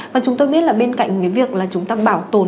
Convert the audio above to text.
và chúng ta biết bên cạnh việc chúng ta bảo tồn